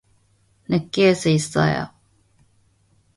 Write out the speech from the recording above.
느낄 수 있어요.